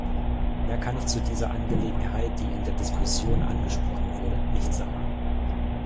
Mehr kann ich zu dieser Angelegenheit, die in der Diskussion angesprochen wurde, nicht sagen.